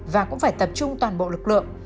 và cũng phải tập trung toàn bộ lực lượng